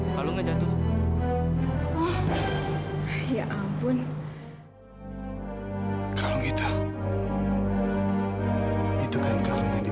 karena kalung itu ada di tangan zahir